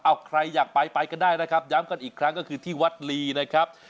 เอาใครอยากไปไปก็ได้นะครับย้ำกันอีกครั้งก็คือที่วัดลีนะครับ